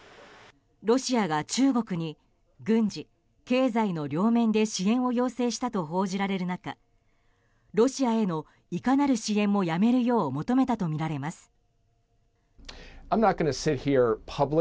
ロシアが中国に軍事・経済の両面で支援を要請したと報じられる中ロシアへのいかなる支援もやめるよう求めたとみられます。